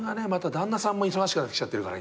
旦那さんも忙しくなってきちゃってるから今。